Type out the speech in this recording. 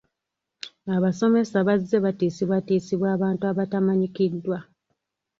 Abasomesa bazze batiisibwatiisibwa abantu abatamanyikiddwa.